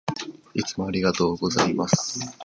いつもありがとうございます。